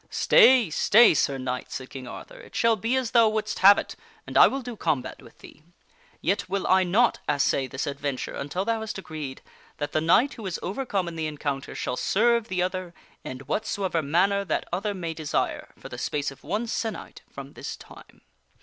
" Stay ! Stay ! Sir Knight," said King Arthur, " it shall be as thou wouldst have it; and I will do combat with thee. Yet will I not assay this ad venture until thou hast agreed that the knight who is overcome in the encounter shall serve the other in whatsoever manner that other may desire, for the space of one se' night from this time."